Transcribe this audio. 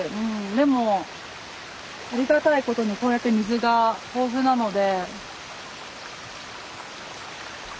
でもありがたいことにこうやって水が豊富なので。